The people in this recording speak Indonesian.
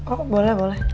oh boleh boleh